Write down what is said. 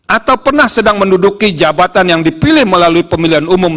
atau pernah sedang menduduki jabatan yang dipilih melalui pemilihan umum